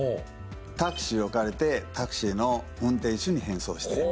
タクシーを借りてタクシーの運転手に変装して。